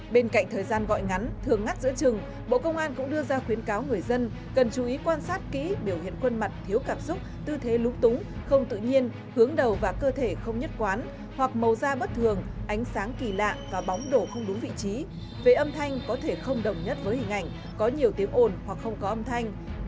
bên cạnh thời gian gọi ngắn thường ngắt giữa trừng bộ công an cũng đưa ra khuyến cáo người dân cần chú ý quan sát kỹ biểu hiện khuôn mặt thiếu cảm xúc tư thế lúng túng không tự nhiên hướng đầu và cơ thể không nhất quán hoặc màu da bất thường ánh sáng kỳ lạ và bóng đổ không đúng vị trí về âm thanh có thể không đồng nhất với hình ảnh có nhiều tiếng ồn hoặc không có âm thanh